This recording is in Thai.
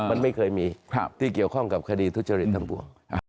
มันไม่เคยมีที่เกี่ยวข้องกับคดีทุจริตทั้งปวง